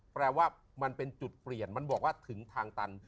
แปลว่ามันเป็นจุดเปลี่ยนมันบอกว่าถึงทางตัน